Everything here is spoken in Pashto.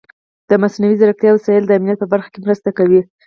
د مصنوعي ځیرکتیا وسایل د امنیت په برخه کې مرسته کوي.